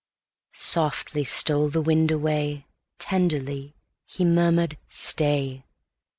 Softly stole the wind away, Tenderly he murmured, "Stay!"